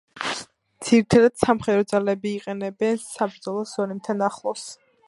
ძირითადად სამხედრო ძალები იყენებენ საბრძოლო ზონებთან ახლოს.